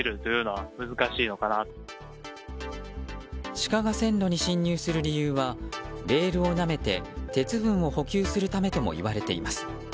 シカが線路に侵入する理由はレールをなめて鉄分を補給するためともいわれています。